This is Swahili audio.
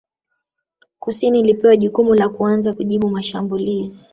Kusini ilipewa jukumu la kuanza kujibu mashambulizi